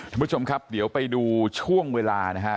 ท่านผู้ชมครับเดี๋ยวไปดูช่วงเวลานะฮะ